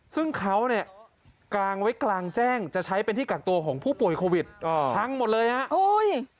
ซึ่งเขาเนี่ยกางไว้กลางแจ้งจะใช้เป็นที่กักตัวของผู้ป่วยโควิดพังหมดเลยฮะโอ้ย